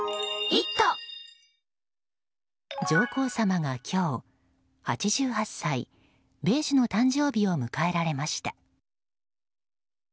上皇さまが今日８８歳、米寿の誕生日を迎えられました。